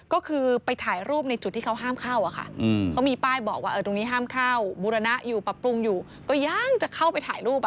ก็คือไปถ่ายรูปในจุดที่เขาห้ามเข้าอะค่ะเขามีป้ายบอกว่าตรงนี้ห้ามเข้าบุรณะอยู่ปรับปรุงอยู่ก็ยังจะเข้าไปถ่ายรูป